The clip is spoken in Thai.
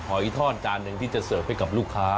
หอยทอดจานหนึ่งที่จะเสิร์ฟให้กับลูกค้า